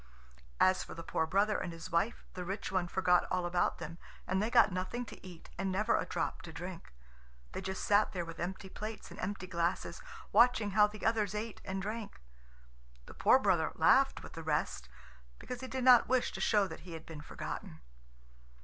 As for the poor brother and his wife, the rich one forgot all about them, and they got nothing to eat and never a drop to drink. They just sat there with empty plates and empty glasses, watching how the others ate and drank. The poor brother laughed with the rest, because he did not wish to show that he had been forgotten.